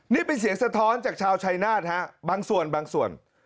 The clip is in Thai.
นี่เป็นเสียงสะท้อนจากชาวชายนาธบางส่วน